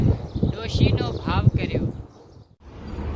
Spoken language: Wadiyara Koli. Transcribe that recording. ڏوشي نو ڀاوَ ڪريو